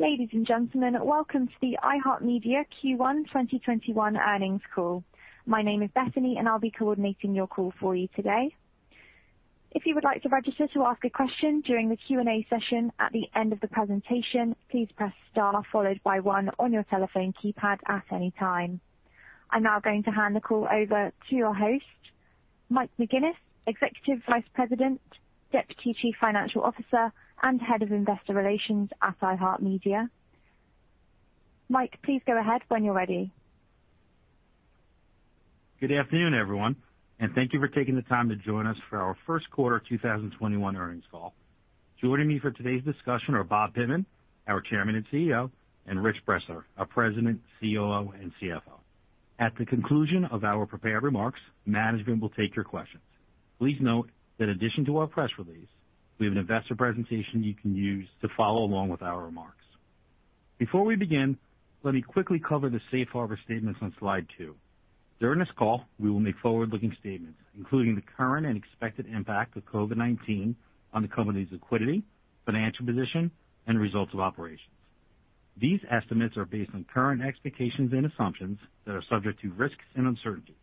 Ladies and gentlemen, welcome to the iHeartMedia Q1 2021 earnings call. My name is Bethany, and I'll be coordinating your call for you today. If you would like to register to ask a question during the Q&A session at the end of the presentation, please press star followed by one on your telephone keypad at any time. I'm now going to hand the call over to your host, Mike McGuinness, Executive Vice President, Deputy Chief Financial Officer, and Head of Investor Relations at iHeartMedia. Mike, please go ahead when you're ready. Good afternoon, everyone, thank you for taking the time to join us for our first quarter 2021 earnings call. Joining me for today's discussion are Bob Pittman, our Chairman and CEO, and Richard Bressler, our President, COO, and CFO. At the conclusion of our prepared remarks, management will take your questions. Please note that in addition to our press release, we have an investor presentation you can use to follow along with our remarks. Before we begin, let me quickly cover the safe harbor statements on slide two. During this call, we will make forward-looking statements, including the current and expected impact of COVID-19 on the company's liquidity, financial position, and results of operations. These estimates are based on current expectations and assumptions that are subject to risks and uncertainties.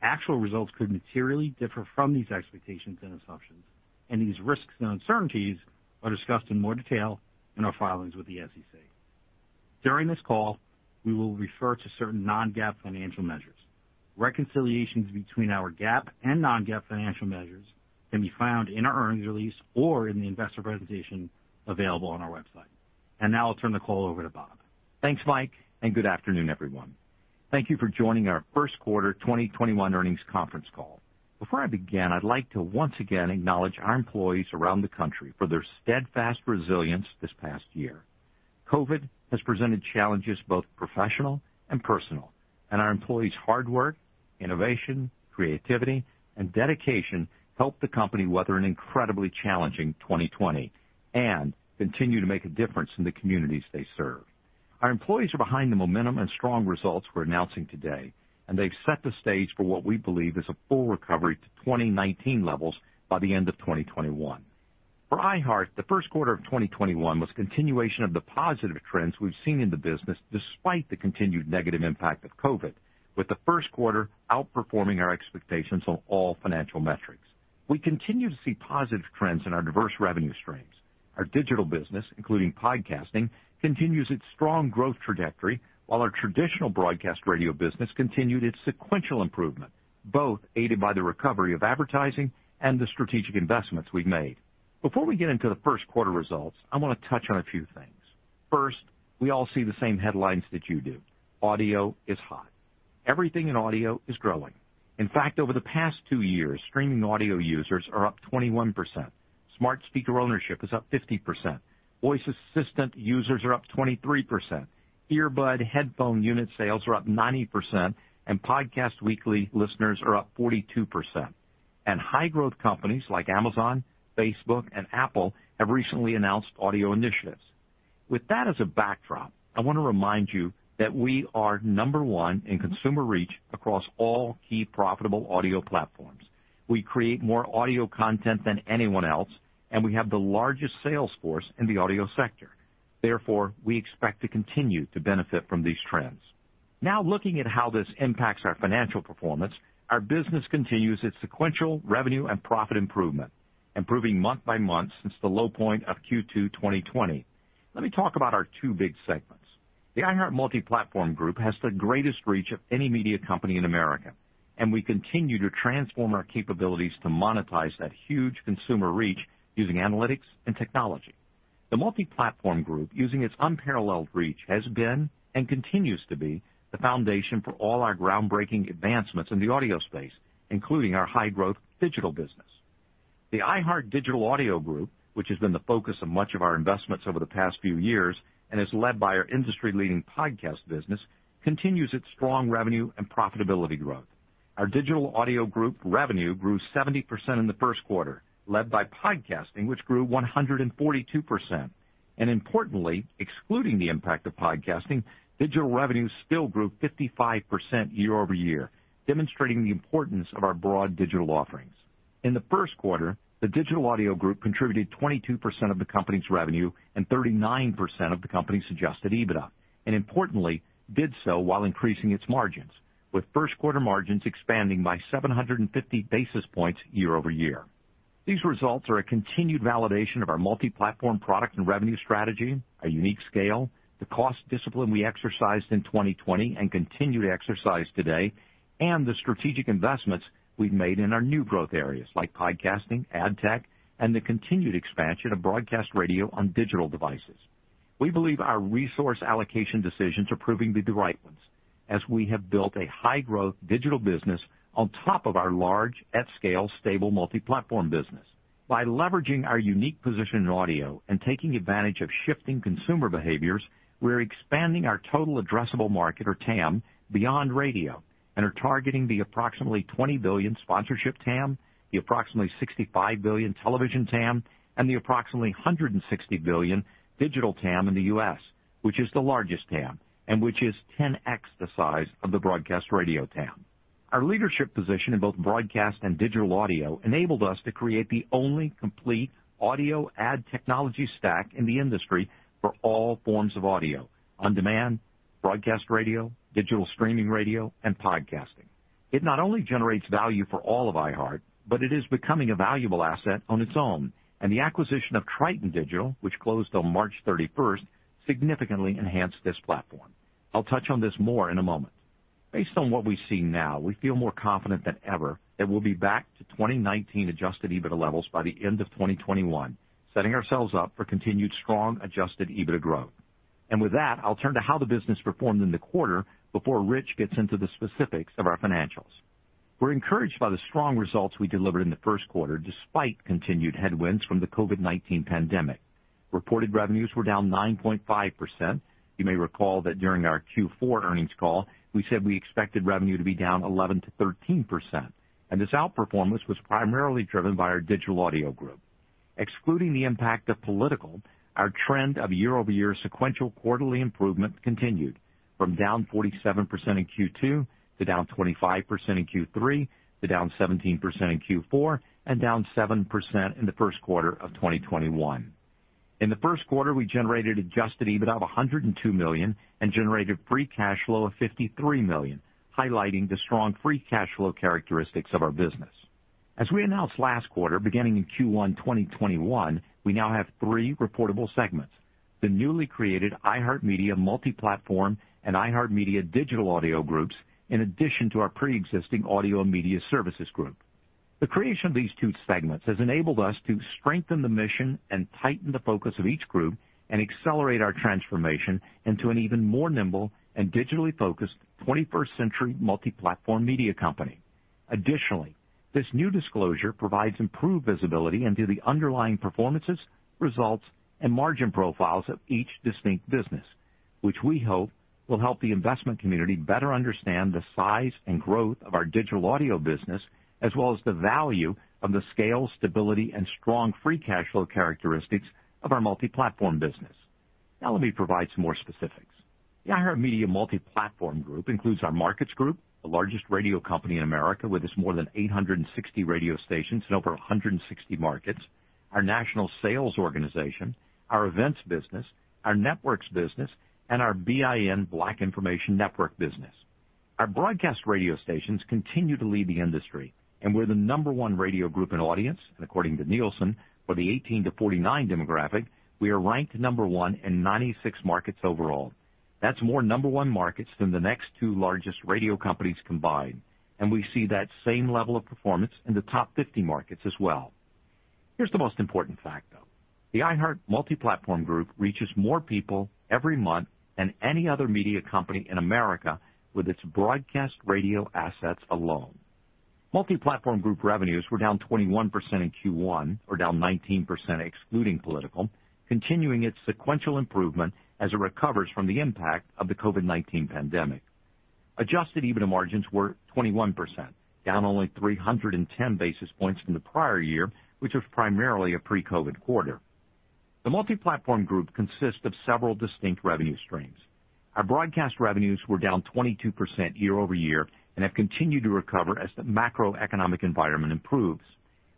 Actual results could materially differ from these expectations and assumptions. These risks and uncertainties are discussed in more detail in our filings with the SEC. During this call, we will refer to certain non-GAAP financial measures. Reconciliations between our GAAP and non-GAAP financial measures can be found in our earnings release or in the investor presentation available on our website. Now I'll turn the call over to Bob. Thanks, Mike, and good afternoon, everyone. Thank you for joining our first quarter 2021 earnings conference call. Before I begin, I'd like to once again acknowledge our employees around the country for their steadfast resilience this past year. COVID has presented challenges both professional and personal, and our employees' hard work, innovation, creativity, and dedication helped the company weather an incredibly challenging 2020 and continue to make a difference in the communities they serve. Our employees are behind the momentum and strong results we're announcing today, and they've set the stage for what we believe is a full recovery to 2019 levels by the end of 2021. For iHeart, the first quarter of 2021 was continuation of the positive trends we've seen in the business despite the continued negative impact of COVID, with the first quarter outperforming our expectations on all financial metrics. We continue to see positive trends in our diverse revenue streams. Our digital business, including podcasting, continues its strong growth trajectory, while our traditional broadcast radio business continued its sequential improvement, both aided by the recovery of advertising and the strategic investments we've made. Before we get into the first quarter results, I want to touch on a few things. First, we all see the same headlines that you do. Audio is hot. Everything in audio is growing. In fact, over the past two years, streaming audio users are up 21%, smart speaker ownership is up 50%, voice assistant users are up 23%, earbud headphone unit sales are up 90%, and podcast weekly listeners are up 42%. High-growth companies like Amazon, Facebook, and Apple have recently announced audio initiatives. With that as a backdrop, I want to remind you that we are number one in consumer reach across all key profitable audio platforms. We create more audio content than anyone else, and we have the largest sales force in the audio sector. Therefore, we expect to continue to benefit from these trends. Now, looking at how this impacts our financial performance, our business continues its sequential revenue and profit improvement, improving month by month since the low point of Q2 2020. Let me talk about our two big segments. The iHeartMedia Multi-Platform Group has the greatest reach of any media company in America, and we continue to transform our capabilities to monetize that huge consumer reach using analytics and technology. The Multi-Platform Group, using its unparalleled reach, has been and continues to be the foundation for all our groundbreaking advancements in the audio space, including our high-growth digital business. The iHeartMedia Digital Audio Group, which has been the focus of much of our investments over the past few years and is led by our industry-leading podcast business, continues its strong revenue and profitability growth. Our iHeartMedia Digital Audio Group revenue grew 70% in the first quarter, led by podcasting, which grew 142%. Importantly, excluding the impact of podcasting, digital revenues still grew 55% year-over-year, demonstrating the importance of our broad digital offerings. In the first quarter, the iHeartMedia Digital Audio Group contributed 22% of the company's revenue and 39% of the company's adjusted EBITDA, and importantly, did so while increasing its margins, with first quarter margins expanding by 750 basis points year-over-year. These results are a continued validation of our multi-platform product and revenue strategy, our unique scale, the cost discipline we exercised in 2020 and continue to exercise today, and the strategic investments we've made in our new growth areas like podcasting, ad tech, and the continued expansion of broadcast radio on digital devices. We believe our resource allocation decisions are proving to be the right ones as we have built a high-growth digital business on top of our large, at scale, stable multi-platform business. By leveraging our unique position in audio and taking advantage of shifting consumer behaviors, we're expanding our total addressable market, or TAM, beyond radio and are targeting the approximately $20 billion sponsorship TAM, the approximately $65 billion television TAM, and the approximately $160 billion digital TAM in the U.S., which is the largest TAM and which is 10x the size of the broadcast radio TAM. Our leadership position in both broadcast and digital audio enabled us to create the only complete audio ad technology stack in the industry for all forms of audio, on-demand, broadcast radio, digital streaming radio, and podcasting. It not only generates value for all of iHeart, but it is becoming a valuable asset on its own, and the acquisition of Triton Digital, which closed on March 31st, significantly enhanced this platform. I'll touch on this more in a moment. Based on what we see now, we feel more confident than ever that we'll be back to 2019 adjusted EBITDA levels by the end of 2021, setting ourselves up for continued strong adjusted EBITDA growth. With that, I'll turn to how the business performed in the quarter before Rich gets into the specifics of our financials. We're encouraged by the strong results we delivered in the first quarter, despite continued headwinds from the COVID-19 pandemic. Reported revenues were down 9.5%. You may recall that during our Q4 earnings call, we said we expected revenue to be down 11%-13%, and this outperformance was primarily driven by our Digital Audio Group. Excluding the impact of political, our trend of year-over-year sequential quarterly improvement continued from down 47% in Q2, to down 25% in Q3, to down 17% in Q4, and down 7% in the first quarter of 2021. In the first quarter, we generated adjusted EBITDA of $102 million and generated free cash flow of $53 million, highlighting the strong free cash flow characteristics of our business. As we announced last quarter, beginning in Q1 2021, we now have three reportable segments, the newly created iHeartMedia Multiplatform Group and iHeartMedia Digital Audio Group, in addition to our preexisting Audio and Media Services Group. The creation of these two segments has enabled us to strengthen the mission and tighten the focus of each group and accelerate our transformation into an even more nimble and digitally focused 21st century multi-platform media company. Additionally, this new disclosure provides improved visibility into the underlying performances, results, and margin profiles of each distinct business, which we hope will help the investment community better understand the size and growth of our digital audio business, as well as the value of the scale, stability, and strong free cash flow characteristics of our multi-platform business. Now let me provide some more specifics. The iHeartMedia Multi-Platform Group includes our Markets group, the largest radio company in America, with its more than 860 radio stations in over 160 markets, our national sales organization, our events business, our networks business, and our BIN, Black Information Network business. Our broadcast radio stations continue to lead the industry. We're the number one radio group in audience, and according to Nielsen, for the 18-49 demographic, we are ranked number one in 96 markets overall. That's more number one markets than the next two largest radio companies combined. We see that same level of performance in the top 50 markets as well. Here's the most important fact, though. The iHeartMedia Multiplatform Group reaches more people every month than any other media company in America with its broadcast radio assets alone. Multiplatform Group revenues were down 21% in Q1, or down 19% excluding political, continuing its sequential improvement as it recovers from the impact of the COVID-19 pandemic. Adjusted EBITDA margins were 21%, down only 310 basis points from the prior year, which was primarily a pre-COVID quarter. The Multiplatform Group consists of several distinct revenue streams. Our broadcast revenues were down 22% year-over-year and have continued to recover as the macroeconomic environment improves.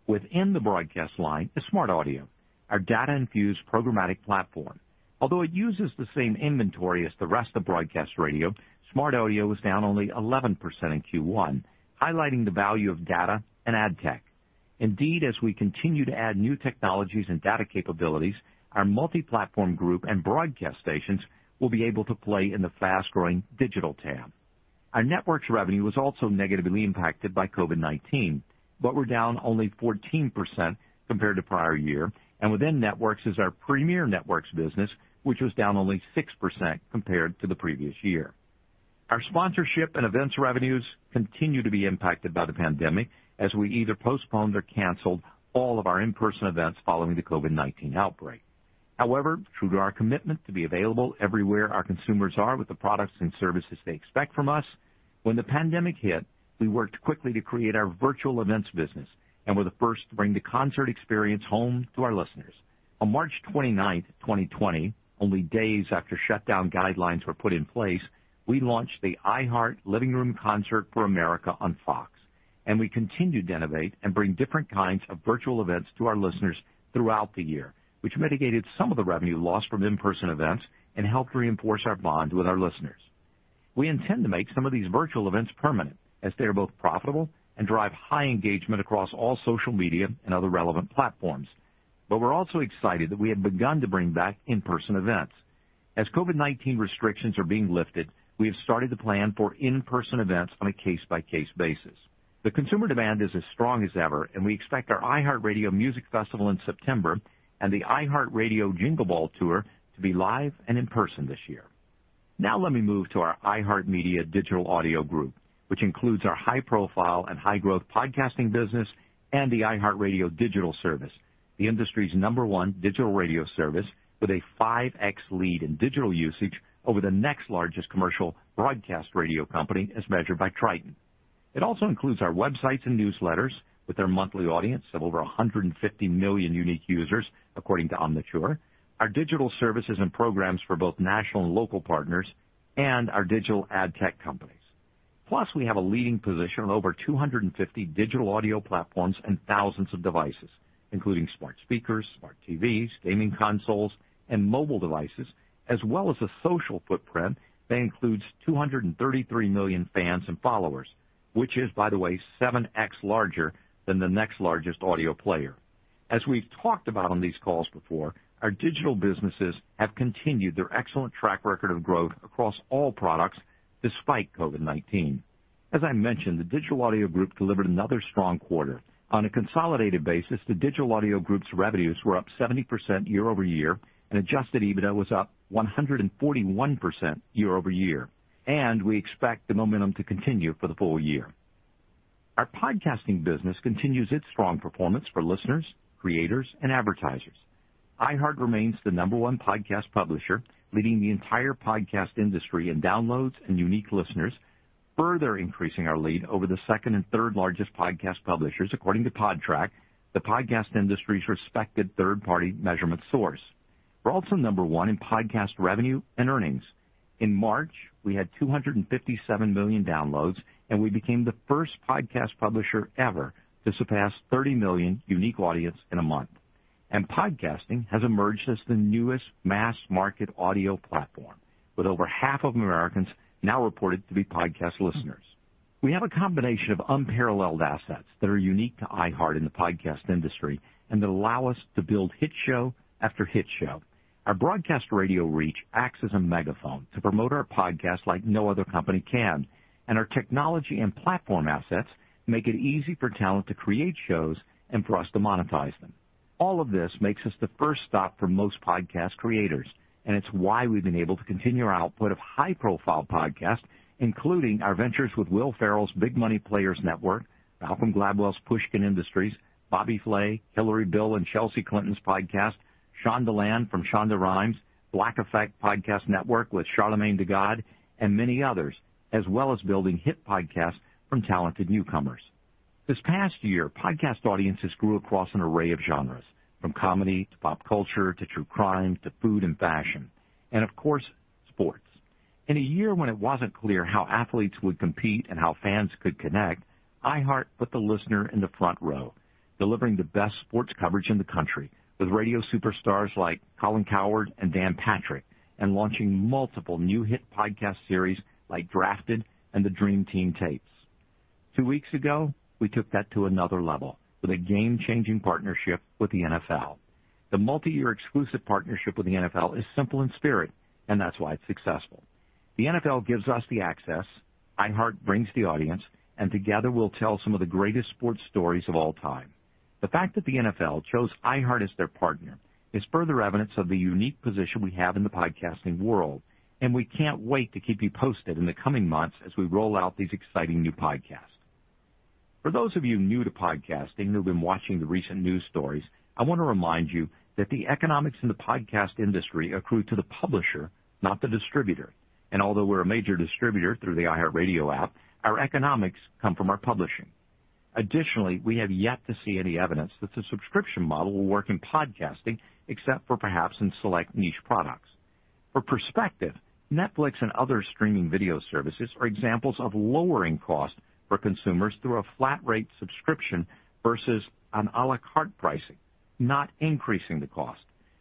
Within the broadcast line is SmartAudio, our data-infused programmatic platform. Although it uses the same inventory as the rest of broadcast radio, SmartAudio was down only 11% in Q1, highlighting the value of data and ad tech. Indeed, as we continue to add new technologies and data capabilities, our Multiplatform Group and broadcast stations will be able to play in the fast-growing digital TAM. Our networks revenue was also negatively impacted by COVID-19. We're down only 14% compared to prior year. Within Networks is our Premiere Networks business, which was down only 6% compared to the previous year. Our sponsorship and events revenues continue to be impacted by the pandemic as we either postponed or canceled all of our in-person events following the COVID-19 outbreak. However, true to our commitment to be available everywhere our consumers are with the products and services they expect from us, when the pandemic hit, we worked quickly to create our virtual events business and were the first to bring the concert experience home to our listeners. On March 29th, 2020, only days after shutdown guidelines were put in place, we launched the iHeart Living Room Concert for America on Fox. We continued to innovate and bring different kinds of virtual events to our listeners throughout the year, which mitigated some of the revenue lost from in-person events and helped reinforce our bond with our listeners. We intend to make some of these virtual events permanent, as they are both profitable and drive high engagement across all social media and other relevant platforms. We're also excited that we have begun to bring back in-person events. As COVID-19 restrictions are being lifted, we have started to plan for in-person events on a case-by-case basis. The consumer demand is as strong as ever, and we expect our iHeartRadio Music Festival in September and the iHeartRadio Jingle Ball tour to be live and in person this year. Let me move to our iHeartMedia Digital Audio Group, which includes our high-profile and high-growth podcasting business and the iHeartRadio digital service, the industry's number one digital radio service with a 5x lead in digital usage over the next largest commercial broadcast radio company as measured by Triton. It also includes our websites and newsletters with their monthly audience of over 150 million unique users, according to Omniture, our digital services and programs for both national and local partners, and our digital ad tech companies. We have a leading position on over 250 digital audio platforms and thousands of devices, including smart speakers, smart TVs, gaming consoles, and mobile devices, as well as a social footprint that includes 233 million fans and followers, which is, by the way, 7x larger than the next largest audio player. As we've talked about on these calls before, our digital businesses have continued their excellent track record of growth across all products despite COVID-19. As I mentioned, the Digital Audio Group delivered another strong quarter. On a consolidated basis, the Digital Audio Group's revenues were up 70% year-over-year, and adjusted EBITDA was up 141% year-over-year. We expect the momentum to continue for the full year. Our podcasting business continues its strong performance for listeners, creators, and advertisers. iHeart remains the number one podcast publisher, leading the entire podcast industry in downloads and unique listeners, further increasing our lead over the second and third largest podcast publishers, according to Podtrac, the podcast industry's respected third-party measurement source. We're also number one in podcast revenue and earnings. In March, we had 257 million downloads, and we became the first podcast publisher ever to surpass 30 million unique audience in a month. Podcasting has emerged as the newest mass market audio platform, with over half of Americans now reported to be podcast listeners. We have a combination of unparalleled assets that are unique to iHeart in the podcast industry and that allow us to build hit show after hit show. Our broadcast radio reach acts as a megaphone to promote our podcasts like no other company can, and our technology and platform assets make it easy for talent to create shows and for us to monetize them. All of this makes us the first stop for most podcast creators, and it's why we've been able to continue our output of high-profile podcasts, including our ventures with Will Ferrell's Big Money Players Network, Malcolm Gladwell's Pushkin Industries, Bobby Flay, Hillary, Bill, and Chelsea Clinton's podcast, Shondaland from Shonda Rhimes, Black Effect Podcast Network with Charlamagne tha God, and many others, as well as building hit podcasts from talented newcomers. This past year, podcast audiences grew across an array of genres, from comedy to pop culture, to true crime, to food and fashion, and of course, sports. In a year when it wasn't clear how athletes would compete and how fans could connect, iHeart put the listener in the front row, delivering the best sports coverage in the country with radio superstars like Colin Cowherd and Dan Patrick, and launching multiple new hit podcast series like Drafted and The Dream Team Tapes. Two weeks ago, we took that to another level with a game-changing partnership with the NFL. The multi-year exclusive partnership with the NFL is simple in spirit. That's why it's successful. The NFL gives us the access, iHeart brings the audience. Together we'll tell some of the greatest sports stories of all time. The fact that the NFL chose iHeart as their partner is further evidence of the unique position we have in the podcasting world, and we can't wait to keep you posted in the coming months as we roll out these exciting new podcasts. For those of you new to podcasting who've been watching the recent news stories, I want to remind you that the economics in the podcast industry accrue to the publisher, not the distributor. Although we're a major distributor through the iHeartRadio app, our economics come from our publishing. Additionally, we have yet to see any evidence that the subscription model will work in podcasting except for perhaps in select niche products. For perspective, Netflix and other streaming video services are examples of lowering cost for consumers through a flat rate subscription versus an à la carte pricing, not increasing the cost.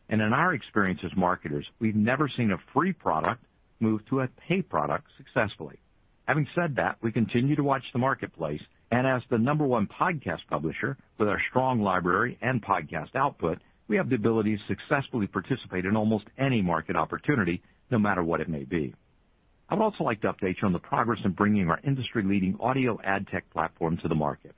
In our experience as marketers, we've never seen a free product move to a pay product successfully. Having said that, we continue to watch the marketplace, and as the number one podcast publisher with our strong library and podcast output, we have the ability to successfully participate in almost any market opportunity, no matter what it may be. I would also like to update you on the progress in bringing our industry-leading audio ad tech platform to the market.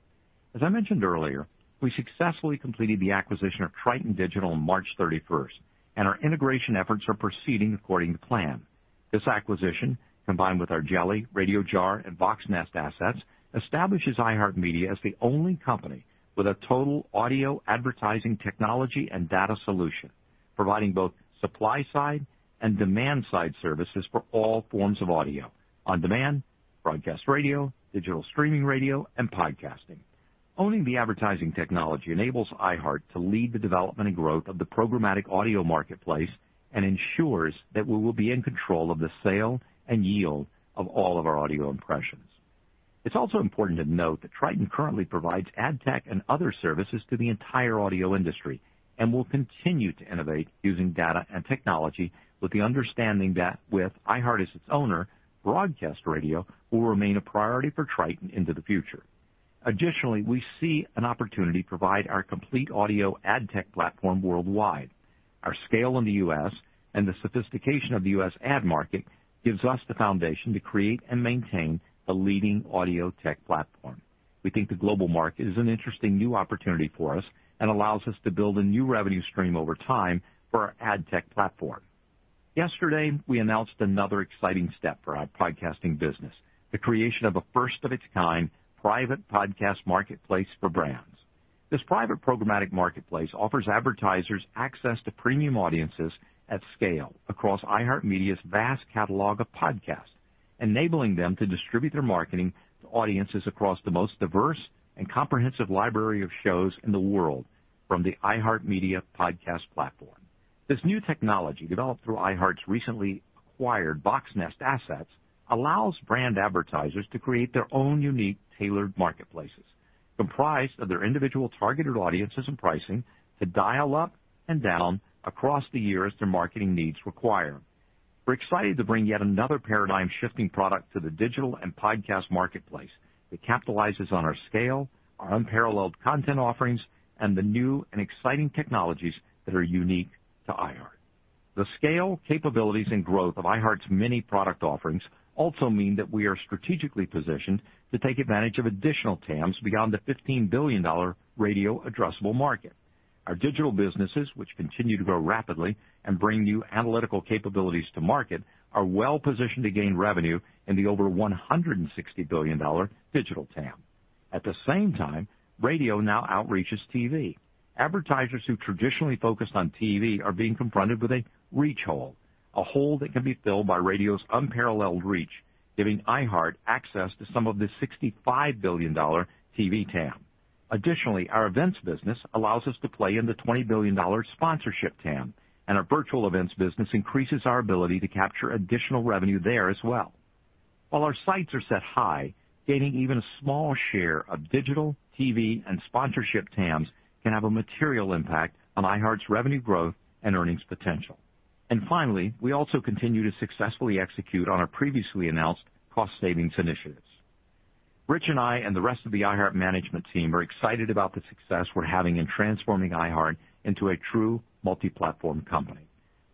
As I mentioned earlier, we successfully completed the acquisition of Triton Digital on March 31st, and our integration efforts are proceeding according to plan. This acquisition, combined with our Jelli, Radiojar, and Voxnest assets, establishes iHeartMedia as the only company with a total audio advertising technology and data solution, providing both supply side and demand side services for all forms of audio, on-demand, broadcast radio, digital streaming radio, and podcasting. Owning the advertising technology enables iHeart to lead the development and growth of the programmatic audio marketplace and ensures that we will be in control of the sale and yield of all of our audio impressions. It's also important to note that Triton currently provides ad tech and other services to the entire audio industry and will continue to innovate using data and technology with the understanding that with iHeart as its owner, broadcast radio will remain a priority for Triton into the future. Additionally, we see an opportunity to provide our complete audio ad tech platform worldwide. Our scale in the U.S. and the sophistication of the U.S. ad market gives us the foundation to create and maintain a leading audio tech platform. We think the global market is an interesting new opportunity for us and allows us to build a new revenue stream over time for our ad tech platform. Yesterday, we announced another exciting step for our podcasting business, the creation of a first-of-its-kind private podcast marketplace for brands. This private programmatic marketplace offers advertisers access to premium audiences at scale across iHeartMedia's vast catalog of podcasts, enabling them to distribute their marketing to audiences across the most diverse and comprehensive library of shows in the world from the iHeartMedia podcast platform. This new technology, developed through iHeart's recently acquired Voxnest assets, allows brand advertisers to create their own unique tailored marketplaces comprised of their individual targeted audiences and pricing to dial up and down across the year as their marketing needs require. We're excited to bring yet another paradigm-shifting product to the digital and podcast marketplace that capitalizes on our scale, our unparalleled content offerings, and the new and exciting technologies that are unique to iHeart. The scale, capabilities, and growth of iHeart's many product offerings also mean that we are strategically positioned to take advantage of additional TAMs beyond the $15 billion radio addressable market. Our digital businesses, which continue to grow rapidly and bring new analytical capabilities to market, are well-positioned to gain revenue in the over $160 billion digital TAM. At the same time, radio now outreaches TV. Advertisers who traditionally focused on TV are being confronted with a reach hole, a hole that can be filled by radio's unparalleled reach, giving iHeart access to some of the $65 billion TV TAM. Additionally, our events business allows us to play in the $20 billion sponsorship TAM, and our virtual events business increases our ability to capture additional revenue there as well. While our sights are set high, gaining even a small share of digital, TV, and sponsorship TAMs can have a material impact on iHeart's revenue growth and earnings potential. Finally, we also continue to successfully execute on our previously announced cost savings initiatives. Richard Bressler and I, and the rest of the iHeart management team, are excited about the success we're having in transforming iHeart into a true multi-platform company.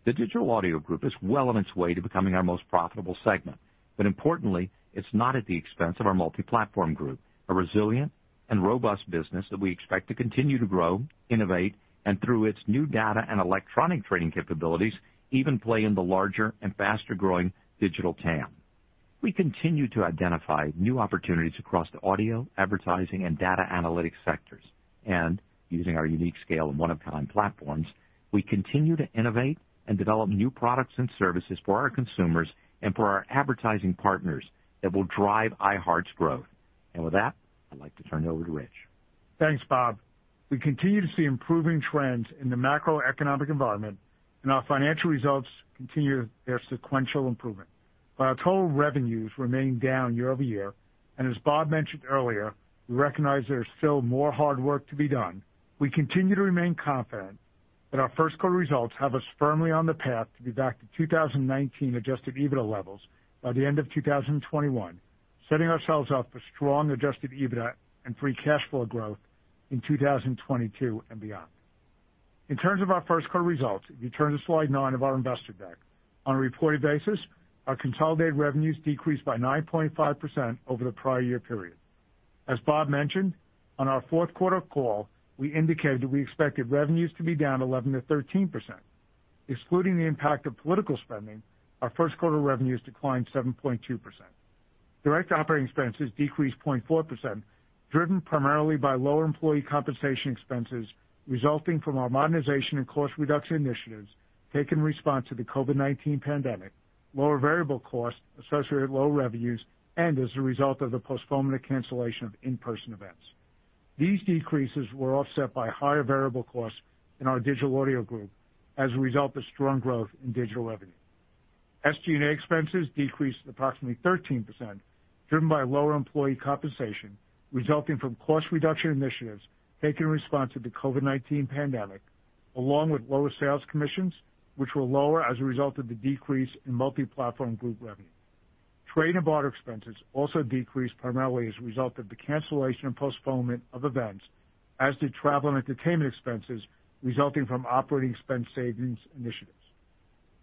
The Digital Audio Group is well on its way to becoming our most profitable segment. Importantly, it's not at the expense of our Multi-Platform Group, a resilient and robust business that we expect to continue to grow, innovate, and through its new data and electronic trading capabilities, even play in the larger and faster-growing digital TAM. We continue to identify new opportunities across the audio, advertising, and data analytics sectors. Using our unique scale and one-of-a-kind platforms, we continue to innovate and develop new products and services for our consumers and for our advertising partners that will drive iHeart's growth. With that, I'd like to turn it over to Rich. Thanks, Bob. We continue to see improving trends in the macroeconomic environment and our financial results continue their sequential improvement. While our total revenues remain down year-over-year, and as Bob mentioned earlier, we recognize there is still more hard work to be done, we continue to remain confident that our first quarter results have us firmly on the path to be back to 2019 adjusted EBITDA levels by the end of 2021, setting ourselves up for strong adjusted EBITDA and free cash flow growth in 2022 and beyond. In terms of our first quarter results, if you turn to slide nine of our investor deck. On a reported basis, our consolidated revenues decreased by 9.5% over the prior year period. As Bob mentioned on our fourth quarter call, we indicated that we expected revenues to be down 11%-13%. Excluding the impact of political spending, our first quarter revenues declined 7.2%. Direct operating expenses decreased 0.4%, driven primarily by lower employee compensation expenses resulting from our modernization and cost reduction initiatives taken in response to the COVID-19 pandemic, lower variable costs associated with low revenues, and as a result of the postponement and cancellation of in-person events. These decreases were offset by higher variable costs in our Digital Audio Group as a result of strong growth in digital revenue. SG&A expenses decreased approximately 13%, driven by lower employee compensation resulting from cost reduction initiatives taken in response to the COVID-19 pandemic, along with lower sales commissions, which were lower as a result of the decrease in Multi-Platform Group revenue. Trade and barter expenses also decreased primarily as a result of the cancellation and postponement of events, as did travel and entertainment expenses resulting from operating expense savings initiatives.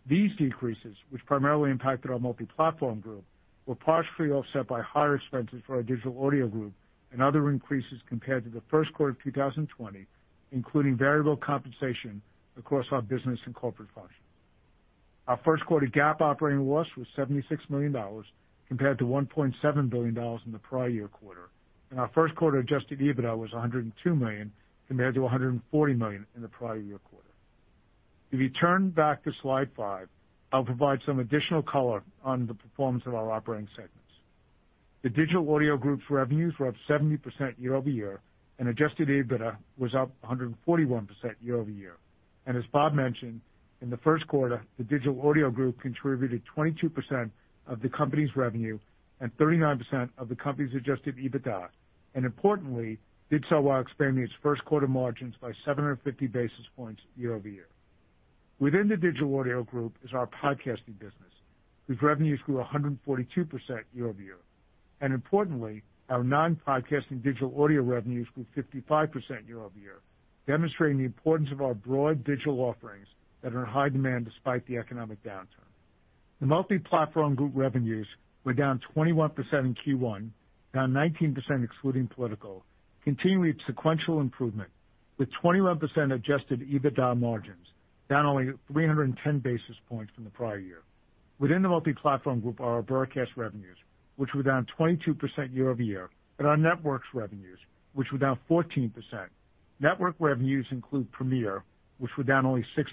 These decreases, which primarily impacted our Multi-Platform Group, were partially offset by higher expenses for our Digital Audio Group and other increases compared to the first quarter of 2020, including variable compensation across our business and corporate functions. Our first quarter GAAP operating loss was $76 million compared to $1.7 billion in the prior year quarter, and our first quarter adjusted EBITDA was $102 million compared to $140 million in the prior year quarter. If you turn back to slide five, I'll provide some additional color on the performance of our operating segments. The Digital Audio Group's revenues were up 70% year-over-year, and adjusted EBITDA was up 141% year-over-year. As Bob mentioned, in the first quarter, the Digital Audio Group contributed 22% of the company's revenue and 39% of the company's adjusted EBITDA, and importantly, did so while expanding its first quarter margins by 750 basis points year-over-year. Within the Digital Audio Group is our podcasting business, whose revenues grew 142% year-over-year. Importantly, our non-podcasting digital audio revenues grew 55% year-over-year, demonstrating the importance of our broad digital offerings that are in high demand despite the economic downturn. The Multi-Platform Group revenues were down 21% in Q1, down 19% excluding political, continuing sequential improvement with 21% adjusted EBITDA margins, down only 310 basis points from the prior year. Within the Multi-Platform Group are our broadcast revenues, which were down 22% year-over-year, but our networks revenues, which were down 14%. Network revenues include Premiere, which were down only 6%.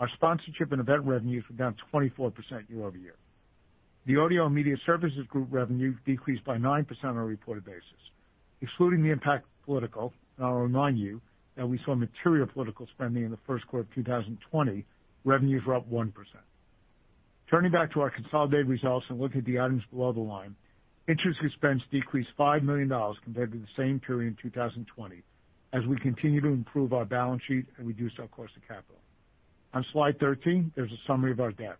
Our sponsorship and event revenues were down 24% year-over-year. The Audio and Media Services Group revenue decreased by 9% on a reported basis. Excluding the impact of political, I'll remind you that we saw material political spending in the first quarter of 2020, revenues were up 1%. Turning back to our consolidated results and looking at the items below the line, interest expense decreased $5 million compared to the same period in 2020, as we continue to improve our balance sheet and reduce our cost of capital. On slide 13, there's a summary of our debt.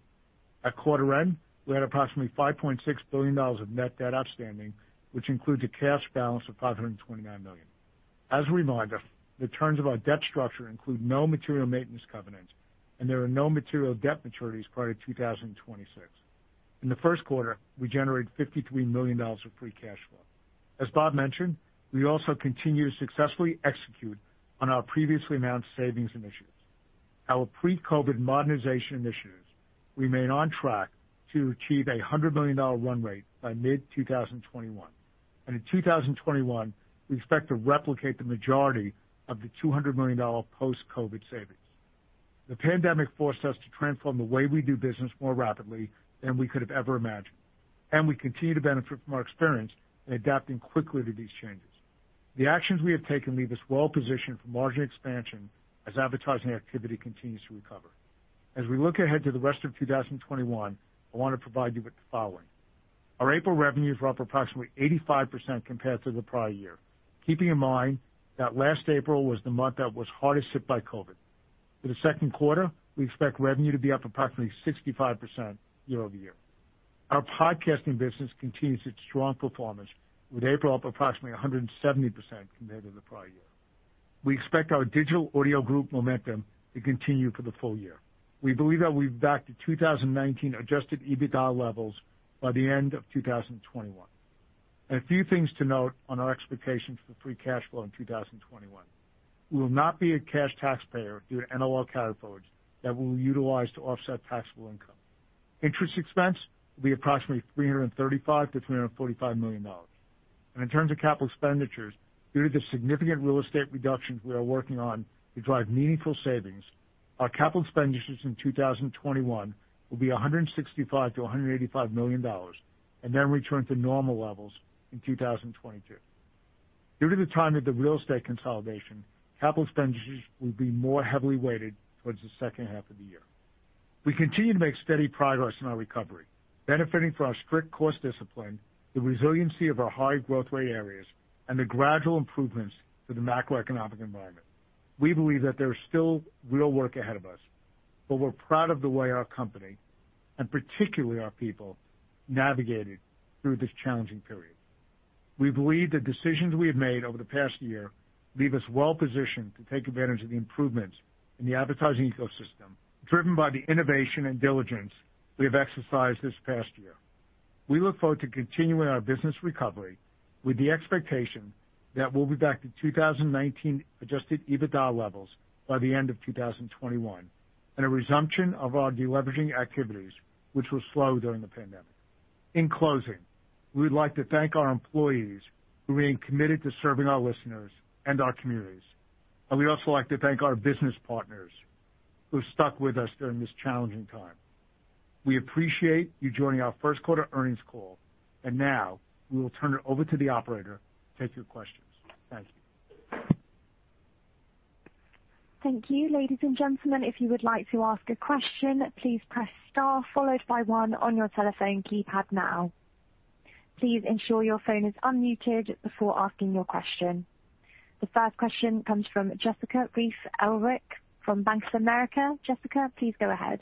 At quarter end, we had approximately $5.6 billion of net debt outstanding, which includes a cash balance of $529 million. As a reminder, the terms of our debt structure include no material maintenance covenants, there are no material debt maturities prior to 2026. In the first quarter, we generated $53 million of free cash flow. As Bob mentioned, we also continue to successfully execute on our previously announced savings initiatives. Our pre-COVID modernization initiatives remain on track to achieve a $100 million run rate by mid-2021. In 2021, we expect to replicate the majority of the $200 million post-COVID savings. The pandemic forced us to transform the way we do business more rapidly than we could've ever imagined, and we continue to benefit from our experience in adapting quickly to these changes. The actions we have taken leave us well-positioned for margin expansion as advertising activity continues to recover. As we look ahead to the rest of 2021, I want to provide you with the following. Our April revenues were up approximately 85% compared to the prior year. Keeping in mind that last April was the month that was hardest hit by COVID-19. For the second quarter, we expect revenue to be up approximately 65% year-over-year. Our podcasting business continues its strong performance, with April up approximately 170% compared to the prior year. We expect our Digital Audio Group momentum to continue for the full year. We believe that we'll be back to 2019 adjusted EBITDA levels by the end of 2021. A few things to note on our expectations for free cash flow in 2021. We will not be a cash taxpayer due to NOL carryforwards that we will utilize to offset taxable income. Interest expense will be approximately $335 million-$345 million. In terms of capital expenditures, due to the significant real estate reductions we are working on to drive meaningful savings, our capital expenditures in 2021 will be $165 million-$185 million, and then return to normal levels in 2022. Due to the timing of the real estate consolidation, capital expenditures will be more heavily weighted towards the second half of the year. We continue to make steady progress in our recovery, benefiting from our strict cost discipline, the resiliency of our high-growth rate areas, and the gradual improvements to the macroeconomic environment. We believe that there's still real work ahead of us, but we're proud of the way our company, and particularly our people, navigated through this challenging period. We believe the decisions we have made over the past year leave us well-positioned to take advantage of the improvements in the advertising ecosystem, driven by the innovation and diligence we have exercised this past year. We look forward to continuing our business recovery with the expectation that we'll be back to 2019 adjusted EBITDA levels by the end of 2021 and a resumption of our deleveraging activities, which were slow during the pandemic. In closing, we would like to thank our employees who remain committed to serving our listeners and our communities, and we'd also like to thank our business partners who stuck with us during this challenging time. We appreciate you joining our first quarter earnings call. Now, we will turn it over to the operator to take your questions. Thank you. Thank you ladies and gentlemen if you would like to ask a question please press star followed by one on your telephone keypad. Please ensure your phone is unmuted before asking a question. The first question comes from Jessica Reif Ehrlich from Bank of America. Jessica, please go ahead.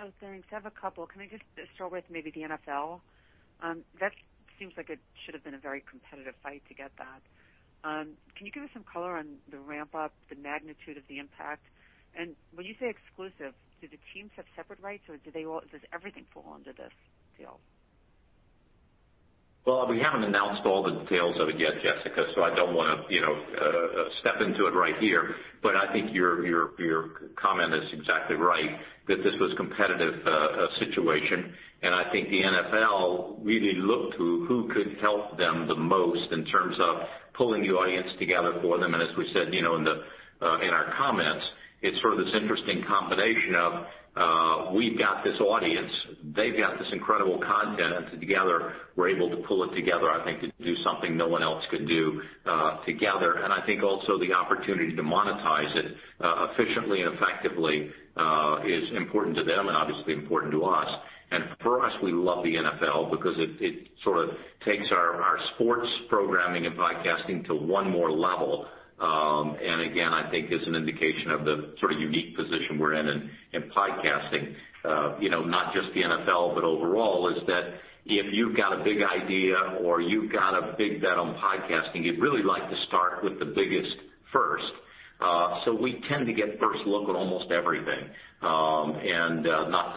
Oh, thanks. I have a couple. Can I just start with maybe the NFL? That seems like it should've been a very competitive fight to get that. Can you give us some color on the ramp-up, the magnitude of the impact? When you say exclusive, do the teams have separate rights or does everything fall under this deal? Well, we haven't announced all the details of it yet, Jessica, so I don't want to step into it right here. I think your comment is exactly right, that this was a competitive situation, and I think the NFL really looked to who could help them the most in terms of pulling the audience together for them. As we said in our comments, it's sort of this interesting combination of we've got this audience, they've got this incredible content, and together, we're able to pull it together, I think, to do something no one else can do together. I think also the opportunity to monetize it efficiently and effectively is important to them and obviously important to us. For us, we love the NFL because it sort of takes our sports programming and podcasting to one more level. Again, I think is an indication of the sort of unique position we're in podcasting. Not just the NFL, but overall, is that if you've got a big idea or you've got a big bet on podcasting, you'd really like to start with the biggest first. We tend to get first look at almost everything. Not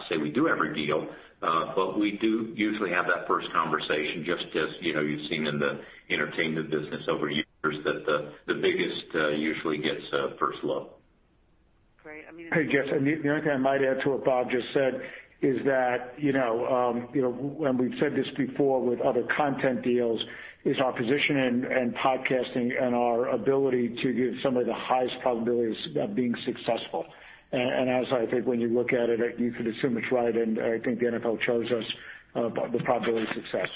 to say we do every deal, but we do usually have that first conversation, just as you've seen in the entertainment business over years, that the biggest usually gets first look. Great. I mean. Hey, Jess, the only thing I might add to what Bob just said is that, and we've said this before with other content deals, is our position in podcasting and our ability to give some of the highest probabilities of being successful. As I think when you look at it, you could assume it's right, and I think the NFL chose us above the probability of success.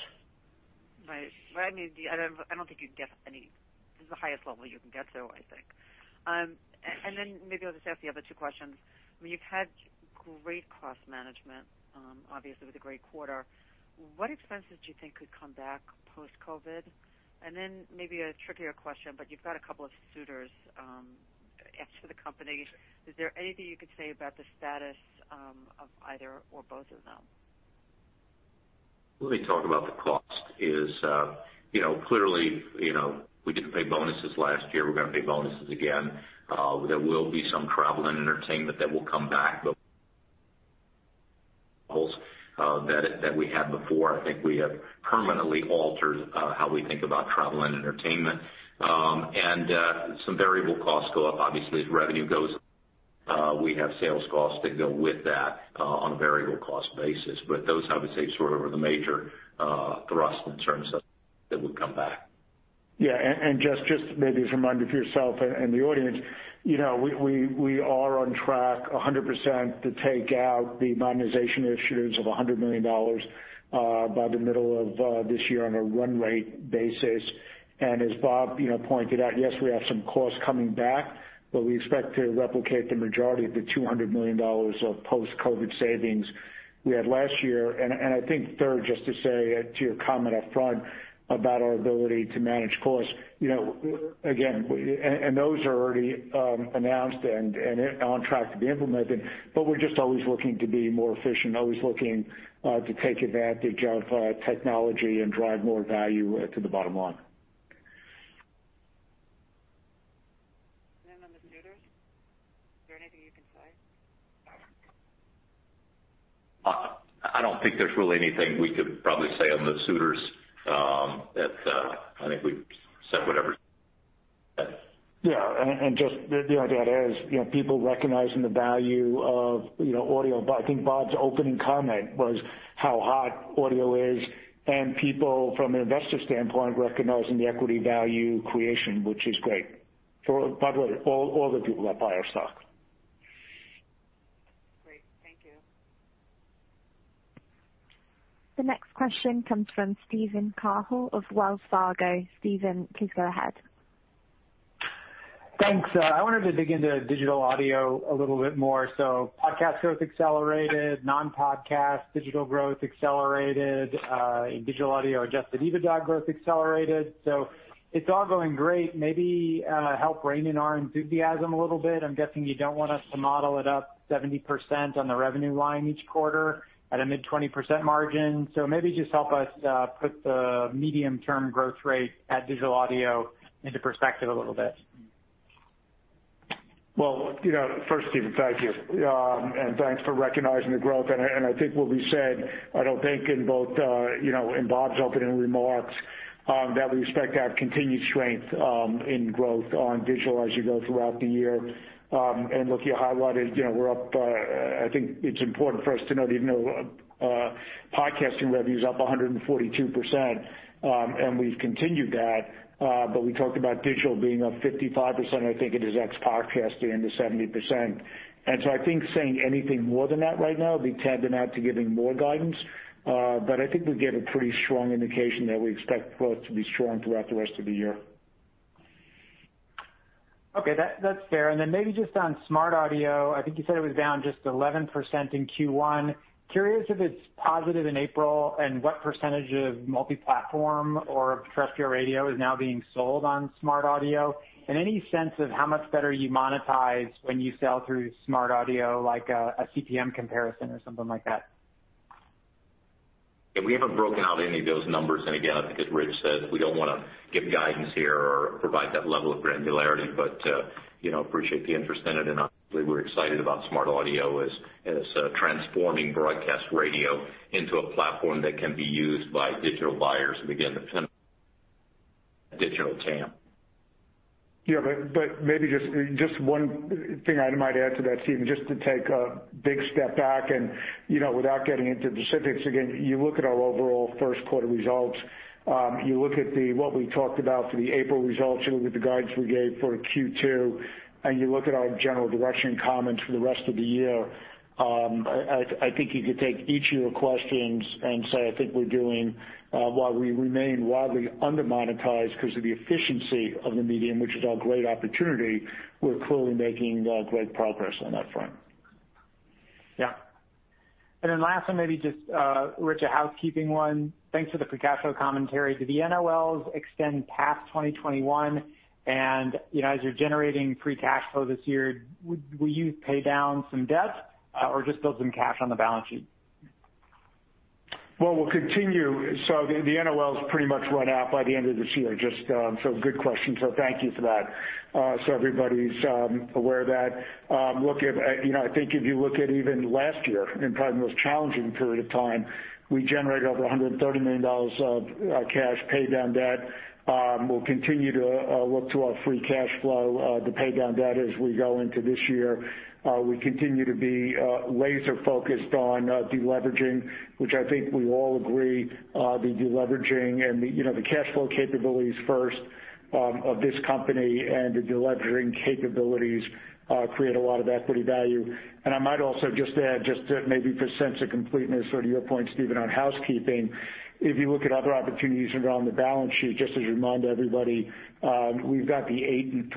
Well, I don't think you'd get any. This is the highest level you can get to, I think. Maybe I'll just ask the other two questions. You've had great cost management, obviously, with a great quarter. What expenses do you think could come back post-COVID? Maybe a trickier question, you've got a couple of suitors for the company. Is there anything you could say about the status of either or both of them? Let me talk about the cost is, clearly, we didn't pay bonuses last year. We're going to pay bonuses again. There will be some travel and entertainment that will come back, but that we had before. I think we have permanently altered how we think about travel and entertainment. Some variable costs go up. Obviously, as revenue goes up, we have sales costs that go with that on a variable cost basis. Those, I would say, sort of are the major thrust in terms of that would come back. Yeah. Just maybe a reminder for yourself and the audience. We are on track 100% to take out the modernization initiatives of $100 million by the middle of this year on a run rate basis. As Bob pointed out, yes, we have some costs coming back, but we expect to replicate the majority of the $200 million of post-COVID-19 savings we had last year. I think third, just to say to your comment upfront about our ability to manage costs. Again, those are already announced and on track to be implemented. We're just always looking to be more efficient, always looking to take advantage of technology and drive more value to the bottom line. On the suitors, is there anything you can say? I don't think there's really anything we could probably say on the suitors. I think we've said whatever. Yeah. Just the idea that is people recognizing the value of audio. I think Bob's opening comment was how hot audio is and people, from an investor standpoint, recognizing the equity value creation, which is great for, by the way, all the people that buy our stock. Great. Thank you. The next question comes from Steven Cahall of Wells Fargo. Steven, please go ahead. Thanks. I wanted to dig into digital audio a little bit more. Podcast growth accelerated, non-podcast digital growth accelerated, digital audio adjusted EBITDA growth accelerated. It's all going great. Maybe help rein in our enthusiasm a little bit. I'm guessing you don't want us to model it up 70% on the revenue line each quarter at a mid-20% margin. Maybe just help us put the medium-term growth rate at digital audio into perspective a little bit. Well, first, Steven, thank you. Thanks for recognizing the growth. I think what we said, I don't think in both in Bob's opening remarks, that we expect to have continued strength in growth on digital as you go throughout the year. Look, you highlighted, we're up, I think it's important for us to note, even though podcasting revenue is up 142%, and we've continued that. We talked about digital being up 55%, I think it is ex podcasting into 70%. I think saying anything more than that right now would be tending out to giving more guidance. I think we gave a pretty strong indication that we expect growth to be strong throughout the rest of the year. Okay. That's fair. Then maybe just on SmartAudio, I think you said it was down just 11% in Q1. Curious if it's positive in April and what percentage of multi-platform or terrestrial radio is now being sold on SmartAudio. Any sense of how much better you monetize when you sell through SmartAudio, like a CPM comparison or something like that? Yeah. We haven't broken out any of those numbers. Again, I think as Rich said, we don't want to give guidance here or provide that level of granularity. Appreciate the interest in it, and obviously, we're excited about SmartAudio as transforming broadcast radio into a platform that can be used by digital buyers. Again, the digital TAM. Yeah. Maybe just one thing I might add to that, Steven, just to take a big step back and without getting into specifics, again, you look at our overall first quarter results. You look at what we talked about for the April results. You look at the guidance we gave for Q2. You look at our general direction comments for the rest of the year. I think you could take each of your questions and say, I think we're doing while we remain wildly under-monetized because of the efficiency of the medium, which is our great opportunity. We're clearly making great progress on that front. Yeah. Last one, maybe just, Rich, a housekeeping one. Thanks for the free cash flow commentary. Do the NOLs extend past 2021? As you're generating free cash flow this year, will you pay down some debt or just build some cash on the balance sheet? Well, we'll continue. The NOLs pretty much run out by the end of this year. Good question. Thank you for that. Everybody's aware of that. I think if you look at even last year, and probably the most challenging period of time, we generated over $130 million of cash pay down debt. We'll continue to look to our free cash flow to pay down debt as we go into this year. We continue to be laser-focused on deleveraging, which I think we all agree the deleveraging and the cash flow capabilities first of this company and the deleveraging capabilities create a lot of equity value. I might also just add, just to maybe for sense of completeness or to your point, Steven, on housekeeping. If you look at other opportunities around the balance sheet, just as a reminder, everybody, we've got the eight and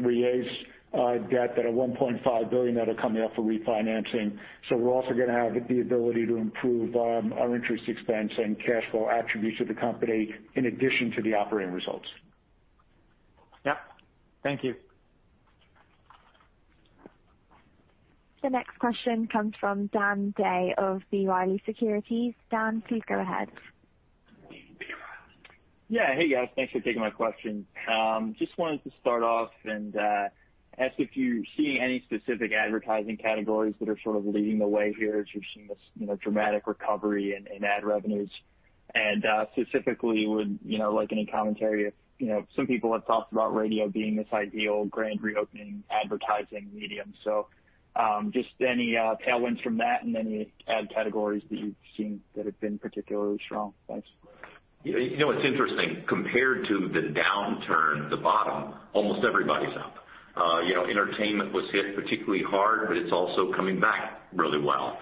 three-eighths debt that are $1.5 billion that are coming up for refinancing. We're also going to have the ability to improve our interest expense and cash flow attributes of the company in addition to the operating results. Yep. Thank you. The next question comes from Dan Day of B. Riley Securities. Dan, please go ahead. Yeah. Hey, guys. Thanks for taking my question. Just wanted to start off and ask if you're seeing any specific advertising categories that are sort of leading the way here as you're seeing this dramatic recovery in ad revenues. Specifically, would you like any commentary? Some people have talked about radio being this ideal grand reopening advertising medium. Just any tailwinds from that and any ad categories that you've seen that have been particularly strong. Thanks. You know, it's interesting. Compared to the downturn, the bottom, almost everybody's up. Entertainment was hit particularly hard, but it's also coming back really well.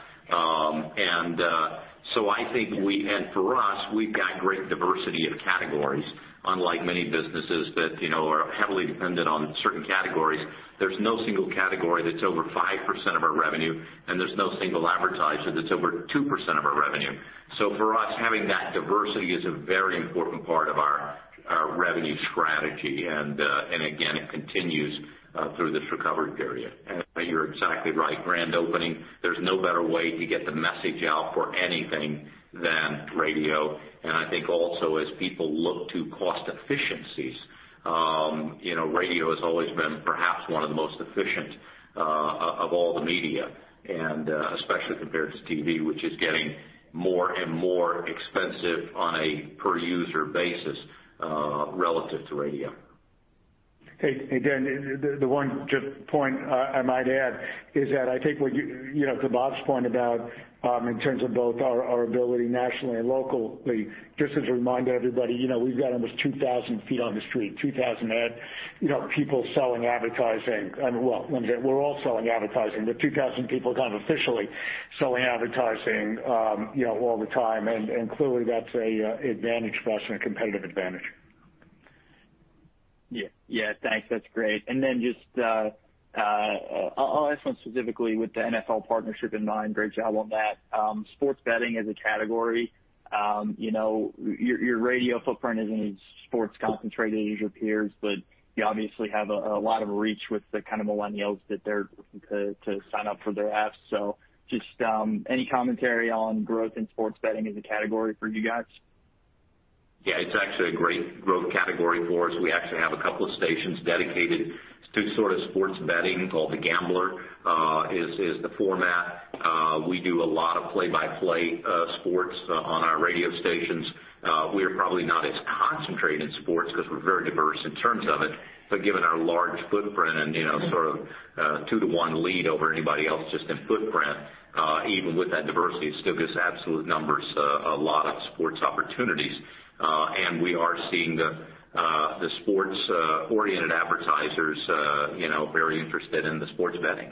For us, we've got great diversity of categories, unlike many businesses that are heavily dependent on certain categories. There's no single category that's over 5% of our revenue, and there's no single advertiser that's over 2% of our revenue. For us, having that diversity is a very important part of our revenue strategy. Again, it continues through this recovery period. You're exactly right. Grand opening, there's no better way to get the message out for anything than radio. I think also as people look to cost efficiencies, radio has always been perhaps one of the most efficient of all the media, especially compared to TV, which is getting more and more expensive on a per user basis relative to radio. Hey, Dan, the one just point I might add is that I take to Bob's point about in terms of both our ability nationally and locally, just as a reminder to everybody, we've got almost 2,000 feet on the street, 2,000 ad people selling advertising. Well, we're all selling advertising, but 2,000 people kind of officially selling advertising all the time, and clearly that's an advantage for us and a competitive advantage. Yeah. Thanks. That's great. Then just I'll ask one specifically with the NFL partnership in mind. Great job on that. Sports betting as a category. Your radio footprint isn't as sports concentrated as your peers, but you obviously have a lot of reach with the kind of millennials that they're looking to sign up for their apps. Just any commentary on growth in sports betting as a category for you guys? Yeah, it's actually a great growth category for us. We actually have a couple of stations dedicated to sports betting, called The Gambler, is the format. We do a lot of play-by-play sports on our radio stations. We are probably not as concentrated in sports because we're very diverse in terms of it. Given our large footprint and sort of two to one lead over anybody else just in footprint, even with that diversity, it still gives absolute numbers, a lot of sports opportunities. We are seeing the sports-oriented advertisers very interested in the sports betting.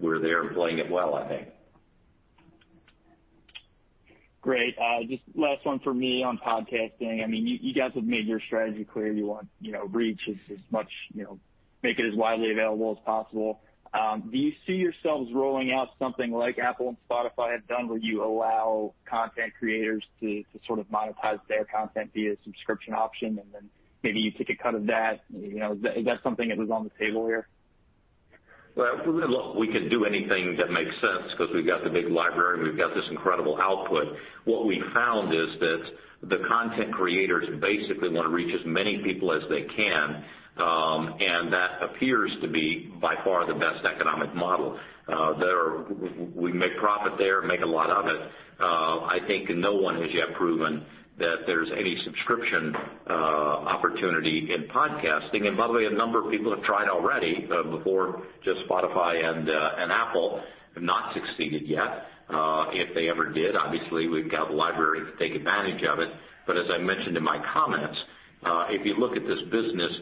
We're there playing it well, I think. Great. Just last one for me on podcasting. You guys have made your strategy clear. You want reach as much, make it as widely available as possible. Do you see yourselves rolling out something like Apple and Spotify have done, where you allow content creators to sort of monetize their content via subscription option, and then maybe you take a cut of that? Is that something that is on the table here? Well, look, we can do anything that makes sense because we've got the big library, and we've got this incredible output. What we found is that the content creators basically want to reach as many people as they can. That appears to be by far the best economic model. We make profit there, make a lot of it. I think no one has yet proven that there's any subscription opportunity in podcasting. By the way, a number of people have tried already before, just Spotify and Apple, have not succeeded yet. If they ever did, obviously, we've got a library to take advantage of it. As I mentioned in my comments, if you look at this business,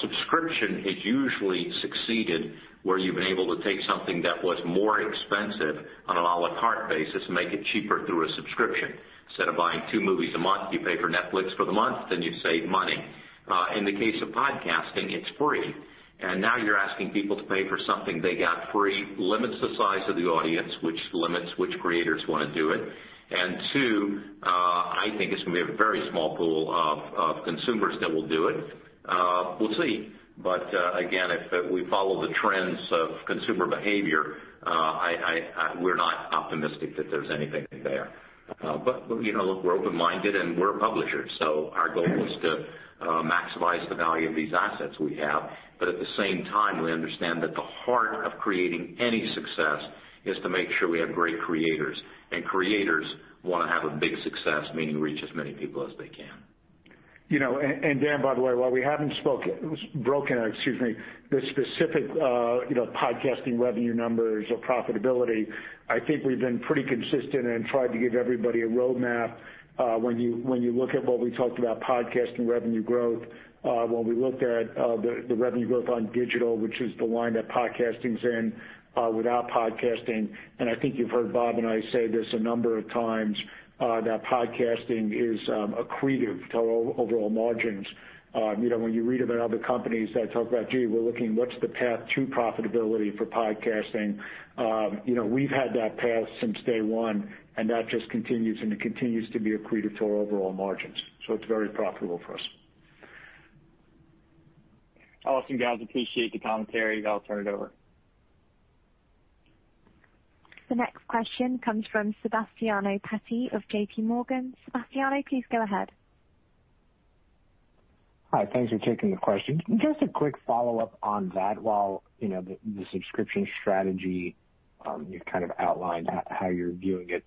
subscription has usually succeeded where you've been able to take something that was more expensive on an a la carte basis and make it cheaper through a subscription. Instead of buying two movies a month, you pay for Netflix for the month, then you save money. In the case of podcasting, it's free, and now you're asking people to pay for something they got free. Limits the size of the audience, which limits which creators want to do it. Two, I think it's going to be a very small pool of consumers that will do it. We'll see. Again, if we follow the trends of consumer behavior, we're not optimistic that there's anything there. Look, we're open-minded, and we're a publisher, so our goal is to maximize the value of these assets we have. At the same time, we understand that the heart of creating any success is to make sure we have great creators, and creators want to have a big success, meaning reach as many people as they can. Dan, by the way, while we haven't broken, excuse me, the specific podcasting revenue numbers or profitability, I think we've been pretty consistent and tried to give everybody a roadmap. When you look at what we talked about podcasting revenue growth, when we looked at the revenue growth on digital, which is the line that podcasting's in without podcasting, and I think you've heard Bob and I say this a number of times, that podcasting is accretive to our overall margins. When you read about other companies that talk about, "Gee, we're looking, what's the path to profitability for podcasting?" We've had that path since day one, and that just continues, and it continues to be accretive to our overall margins. It's very profitable for us. Awesome, guys. Appreciate the commentary. I'll turn it over. The next question comes from Sebastiano Petti of JPMorgan. Sebastiano, please go ahead. Hi. Thanks for taking the question. Just a quick follow-up on that. While the subscription strategy, you've kind of outlined how you're viewing it,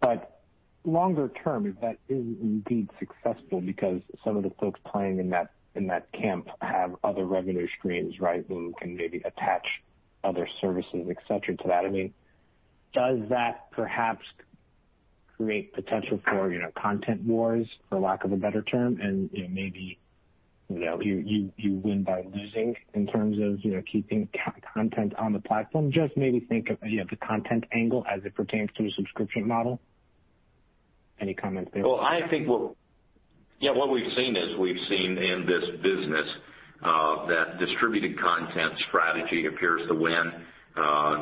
but longer term, if that is indeed successful because some of the folks playing in that camp have other revenue streams, right, whom can maybe attach other services, et cetera, to that. Does that perhaps create potential for content wars, for lack of a better term? Maybe you win by losing in terms of keeping content on the platform? Just maybe think of the content angle as it pertains to the subscription model. Any comments there? Well, I think what we've seen is we've seen in this business, that distributed content strategy appears to win,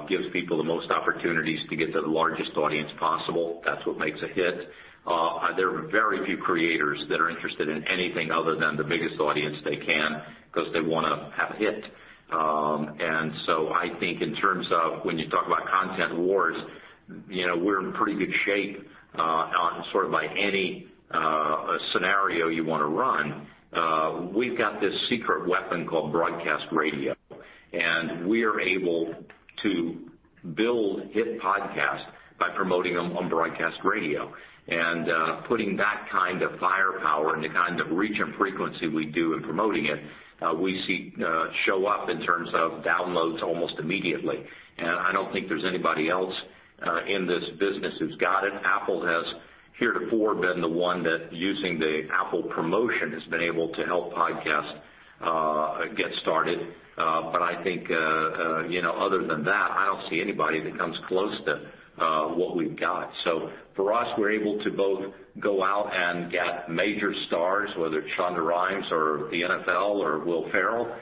gives people the most opportunities to get the largest audience possible. That's what makes a hit. There are very few creators that are interested in anything other than the biggest audience they can because they want to have a hit. So I think in terms of when you talk about content wars, we're in pretty good shape, on sort of by any scenario you want to run. We've got this secret weapon called broadcast radio, and we're able to build hit podcasts by promoting them on broadcast radio. Putting that kind of firepower and the kind of reach and frequency we do in promoting it, we see show up in terms of downloads almost immediately. I don't think there's anybody else in this business who's got it. Apple has heretofore been the one that using the Apple promotion has been able to help podcasts get started. I think other than that, I don't see anybody that comes close to what we've got. For us, we're able to both go out and get major stars, whether it's Shonda Rhimes or the NFL or Will Ferrell.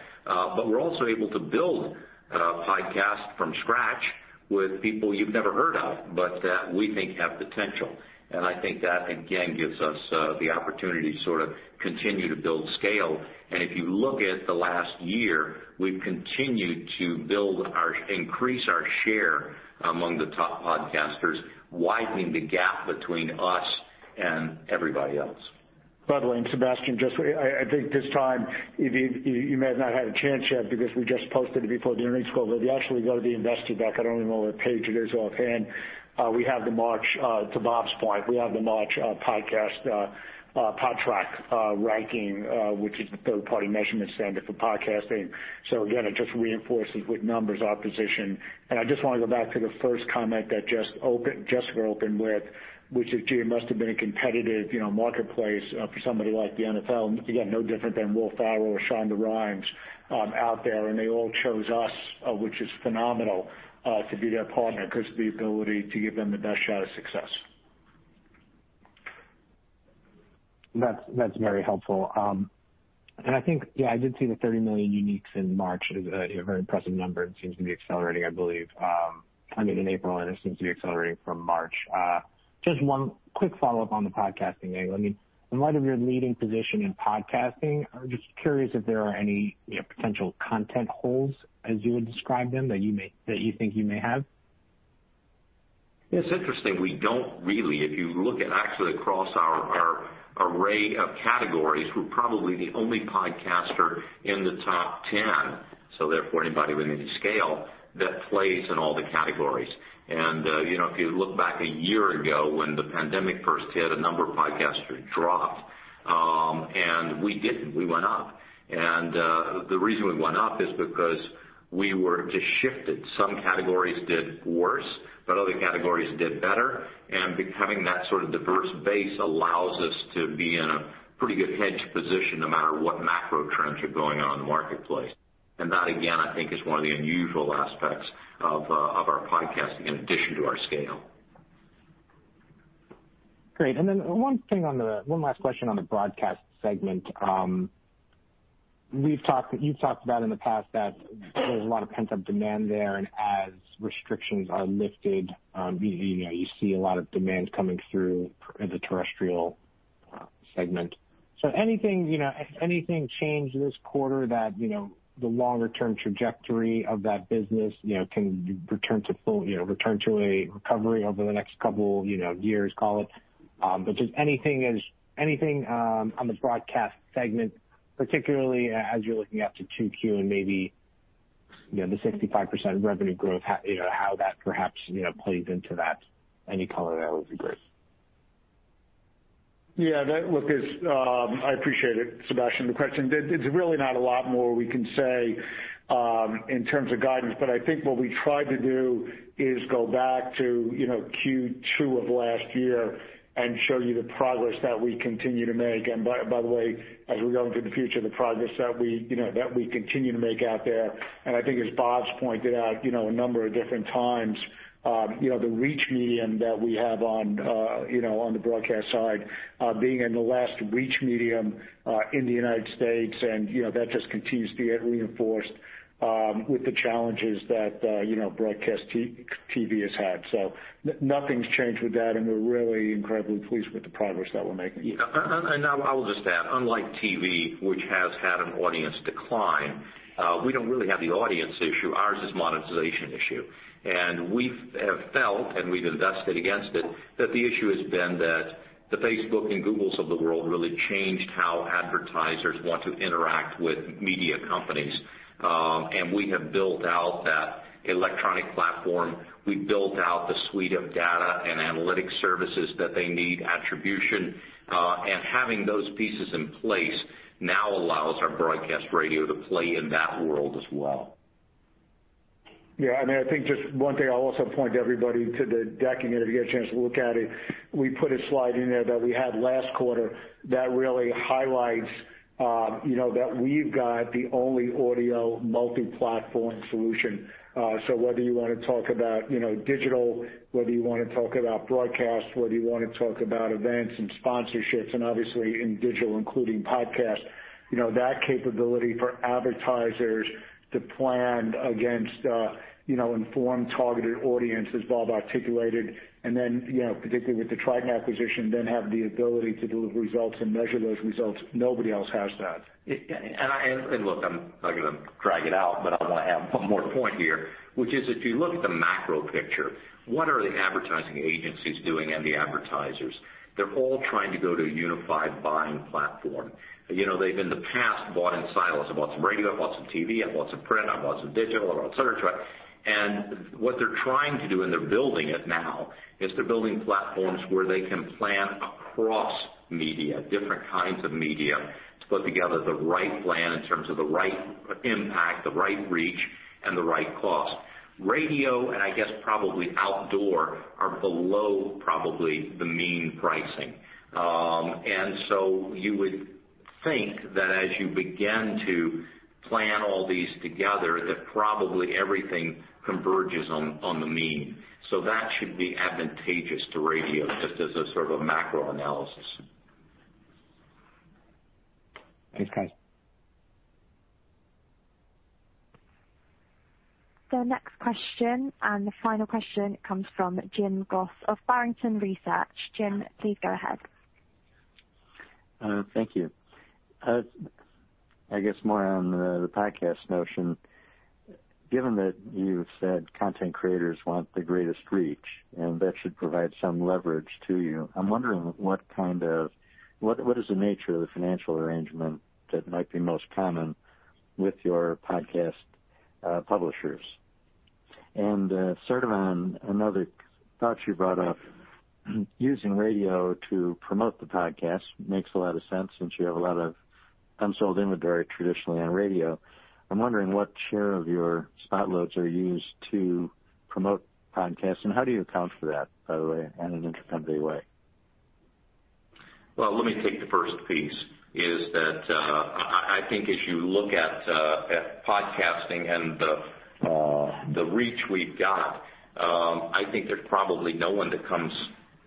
We're also able to build podcasts from scratch with people you've never heard of, but that we think have potential. I think that, again, gives us the opportunity to sort of continue to build scale. If you look at the last year, we've continued to increase our share among the top podcasters, widening the gap between us and everybody else. By the way, Sebastiano, I think this time, you may have not had a chance yet because we just posted it before the earnings call. If you actually go to the investor deck, I don't even know what page it is offhand. To Bob's point, we have the March podcast Podtrac ranking, which is the third-party measurement standard for podcasting. Again, it just reinforces with numbers our position. I just want to go back to the first comment that Jessica opened with, which is, gee, it must have been a competitive marketplace for somebody like the NFL. Again, no different than Will Ferrell or Shonda Rhimes out there, and they all chose us, which is phenomenal, to be their partner because of the ability to give them the best shot at success. That's very helpful. I think, yeah, I did see the 30 million uniques in March is a very impressive number and seems to be accelerating, I believe, kind of in April, and it seems to be accelerating from March. Just one quick follow-up on the podcasting angle. In light of your leading position in podcasting, I'm just curious if there are any potential content holes as you would describe them that you think you may have. It's interesting. We don't really. If you look at actually across our array of categories, we're probably the only podcaster in the top 10, so therefore anybody with any scale that plays in all the categories. If you look back a year ago when the pandemic first hit, a number of podcasters dropped. We didn't. We went up. The reason we went up is because we were just shifted. Some categories did worse, but other categories did better. Having that sort of diverse base allows us to be in a pretty good hedged position no matter what macro trends are going on in the marketplace. That, again, I think is one of the unusual aspects of our podcasting in addition to our scale. Great. One last question on the broadcast segment. You've talked about in the past that there's a lot of pent-up demand there and as restrictions are lifted, you see a lot of demand coming through in the terrestrial segment. Anything change this quarter that the longer term trajectory of that business can return to a recovery over the next couple years, call it? Just anything on the broadcast segment, particularly as you're looking out to 2Q and maybe the 65% revenue growth, how that perhaps plays into that. Any color there would be great. Yeah, look, I appreciate it, Sebastiano, the question. There's really not a lot more we can say in terms of guidance. I think what we tried to do is go back to Q2 of last year and show you the progress that we continue to make, and by the way, as we go into the future, the progress that we continue to make out there. I think as Bob's pointed out a number of different times, the reach medium that we have on the broadcast side, being in the last reach medium in the U.S. and that just continues to get reinforced with the challenges that broadcast TV has had. Nothing's changed with that, and we're really incredibly pleased with the progress that we're making. I'll just add, unlike TV, which has had an audience decline, we don't really have the audience issue. Ours is monetization issue. We have felt, and we've invested against it, that the issue has been that the Facebook and Googles of the world really changed how advertisers want to interact with media companies. We have built out that electronic platform. We've built out the suite of data and analytic services that they need, attribution. Having those pieces in place now allows our broadcast radio to play in that world as well. I think just one thing I'll also point everybody to the deck, if you get a chance to look at it. We put a slide in there that we had last quarter that really highlights that we've got the only audio multi-platform solution. Whether you want to talk about digital, whether you want to talk about broadcast, whether you want to talk about events and sponsorships, and obviously in digital, including podcasts, that capability for advertisers to plan against informed targeted audiences Bob articulated, and then particularly with the Triton acquisition, then have the ability to deliver results and measure those results. Nobody else has that. Look, I'm not going to drag it out, but I want to add one more point here, which is if you look at the macro picture, what are the advertising agencies doing and the advertisers? They're all trying to go to a unified buying platform. They've in the past bought in silos. I've bought some radio, I've bought some TV, I've bought some print, I've bought some digital, I've bought et cetera. What they're trying to do, and they're building it now, is they're building platforms where they can plan across media, different kinds of media, to put together the right plan in terms of the right impact, the right reach, and the right cost. Radio, and I guess probably outdoor, are below probably the mean pricing. You would think that as you begin to plan all these together, that probably everything converges on the mean. That should be advantageous to radio, just as a sort of a macro analysis. Thanks, guys. The next question and the final question comes from Jim Goss of Barrington Research. Jim, please go ahead. Thank you. I guess more on the podcast notion. Given that you've said content creators want the greatest reach, and that should provide some leverage to you, I'm wondering what is the nature of the financial arrangement that might be most common with your podcast publishers? Sort of on another thought you brought up, using radio to promote the podcast makes a lot of sense since you have a lot of unsold inventory traditionally on radio. I'm wondering what share of your spot loads are used to promote podcasts, and how do you account for that, by the way, in an intra-company way? Let me take the first piece, is that I think as you look at podcasting and the reach we've got, I think there's probably no one that comes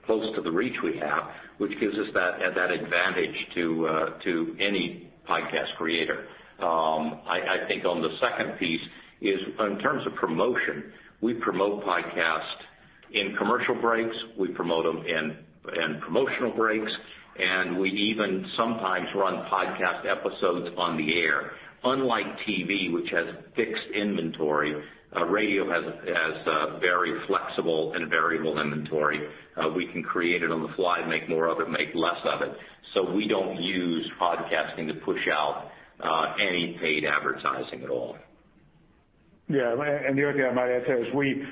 close to the reach we have, which gives us that advantage to any podcast creator. I think on the second piece is in terms of promotion, we promote podcasts in commercial breaks, we promote them in promotional breaks, and we even sometimes run podcast episodes on the air. Unlike TV, which has fixed inventory, radio has a very flexible and variable inventory. We can create it on the fly, make more of it, make less of it. We don't use podcasting to push out any paid advertising at all. Yeah. The only thing I might add to that is we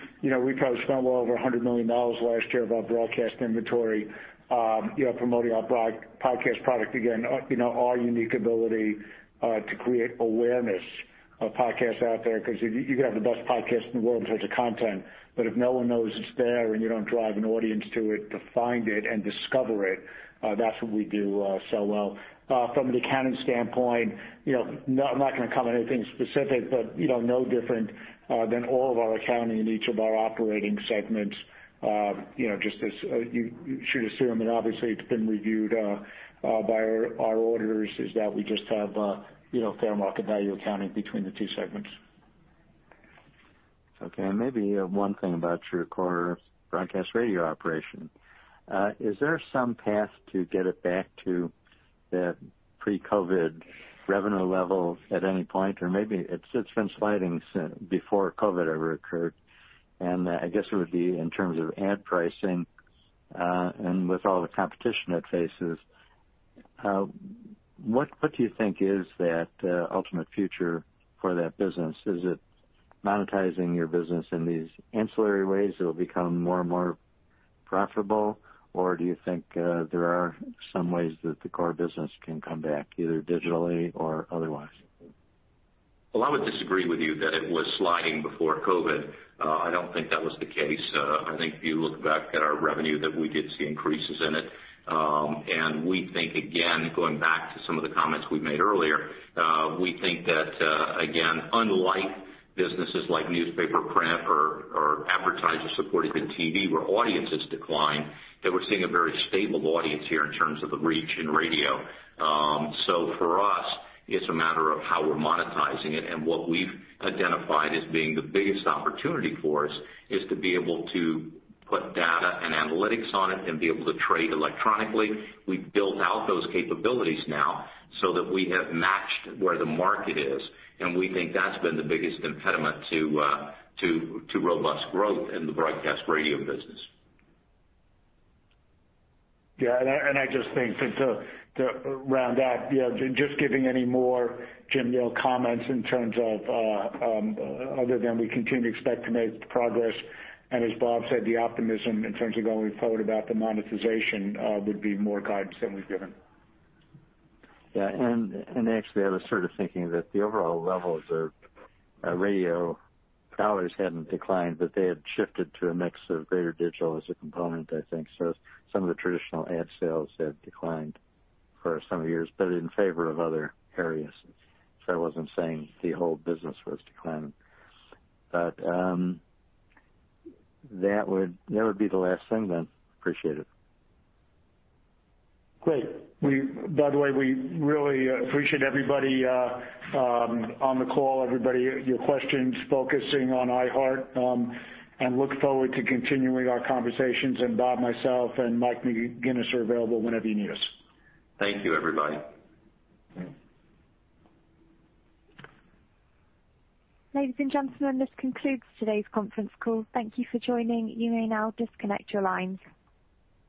probably spent well over $100 million last year of our broadcast inventory promoting our podcast product. Again, our unique ability to create awareness of podcasts out there, because you can have the best podcast in the world in terms of content, but if no one knows it's there and you don't drive an audience to it to find it and discover it, that's what we do so well. From an accounting standpoint, I'm not going to comment on anything specific, but no different than all of our accounting in each of our operating segments. Just as you should assume, and obviously it's been reviewed by our auditors, is that we just have fair market value accounting between the two segments. Okay. Maybe one thing about your core broadcast radio operation. Is there some path to get it back to the pre-COVID revenue levels at any point? Maybe it's been sliding before COVID ever occurred, and I guess it would be in terms of ad pricing, and with all the competition it faces. What do you think is that ultimate future for that business? Is it monetizing your business in these ancillary ways that will become more and more profitable, or do you think there are some ways that the core business can come back, either digitally or otherwise? Well, I would disagree with you that it was sliding before COVID. I don't think that was the case. I think if you look back at our revenue, that we did see increases in it. We think, again, going back to some of the comments we made earlier, we think that, again, unlike businesses like newspaper print or advertiser supported in TV where audiences decline, that we're seeing a very stable audience here in terms of the reach in radio. For us, it's a matter of how we're monetizing it. What we've identified as being the biggest opportunity for us is to be able to put data and analytics on it and be able to trade electronically. We've built out those capabilities now so that we have matched where the market is, and we think that's been the biggest impediment to robust growth in the broadcast radio business. Yeah, I just think to round out, just giving any more Jim comments in terms of other than we continue to expect to make progress, as Bob said, the optimism in terms of going forward about the monetization would be more guidance than we've given. Yeah. Actually, I was sort of thinking that the overall levels of radio dollars hadn't declined, but they had shifted to a mix of greater digital as a component, I think. Some of the traditional ad sales had declined for some years, but in favor of other areas. I wasn't saying the whole business was declining. That would be the last thing, then. Appreciate it. Great. By the way, we really appreciate everybody on the call, everybody, your questions focusing on iHeart, and look forward to continuing our conversations. Bob, myself, and Mike McGuinness are available whenever you need us. Thank you, everybody. Yeah. Ladies and gentlemen, this concludes today's conference call. Thank you for joining. You may now disconnect your lines.